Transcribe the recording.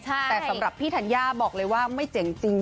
แต่สำหรับพี่ธัญญาบอกเลยว่าไม่เจ๋งจริง